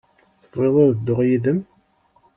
Tebɣiḍ ad dduɣ yid-m?